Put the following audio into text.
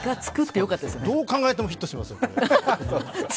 どう考えてもヒットしますよ。